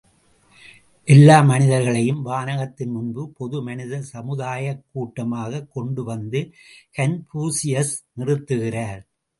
எல்லா மனிதர்களையும் வானகத்தின் முன்பு பொது மனித சமுதாயக் கூட்டமாகக் கொண்டு வந்து கன்பூசியஸ் நிறுத்துகிறார்.